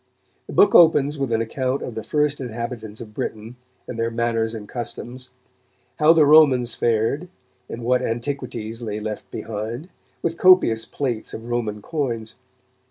The book opens with an account of the first inhabitants of Britain, and their manners and customs; how the Romans fared, and what antiquities they left behind, with copious plates of Roman coins.